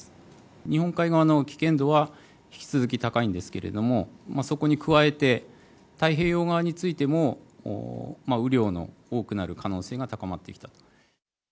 日本海側の危険度は、引き続き高いんですけれども、そこに加えて、太平洋側についても雨量が多くなる可能性が高まってきたと。